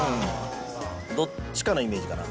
どっちかのイメージかな。